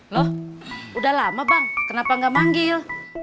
loh udah lama bang kenapa nggak manggil